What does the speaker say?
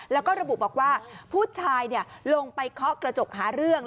แล้วก็ระบุบอกว่าผู้ชายลงไปเคาะกระจกหาเรื่อง